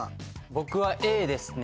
僕はＡですね。